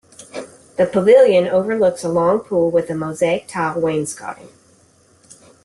The Pavilion overlooks a long pool with mosaic tile wainscoting.